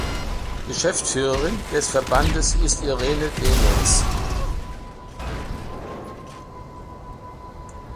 Geschäftsführerin des Verbandes ist Irene Demetz.